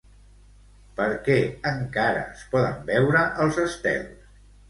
Per què encara es poden veure els estels?